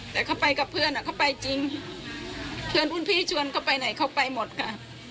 แต่เขาไปกับเพื่อนเขาไปจริงเพื่อนรุ่นพี่ชวนเขาไปไหนเขาไปหมดค่ะ